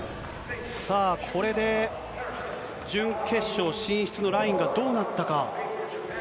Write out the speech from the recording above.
さあ、これで準決勝進出のラインがどうなったか。